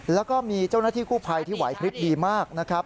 แล้วก็มีเจ้าหน้าที่กู้ภัยที่ไหวพลิบดีมากนะครับ